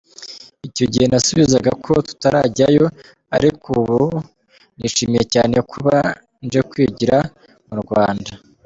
Icyo gihe nasubizaga ko tutarajyayo, ariko ubu nishimiye cyane kuba nje kwigira mu Rwanda”.